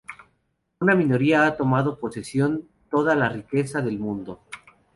Una minoría ha tomado posesión toda la riqueza del mundo".